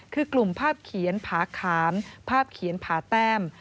คือกลุ่มภาพเขียนผาขามภาพเขียนผาแต้ม